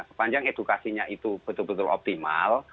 sepanjang edukasinya itu betul betul optimal